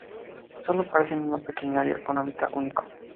Sólo aparece en una pequeña área con un hábitat único, aislado.